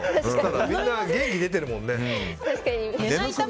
みんな元気出てるもんね。